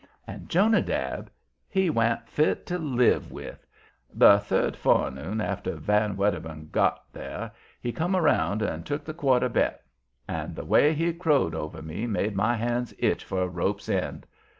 And Jonadab! he wa'n't fit to live with. The third forenoon after Van Wedderburn got there he come around and took the quarter bet. And the way he crowed over me made my hands itch for a rope's end.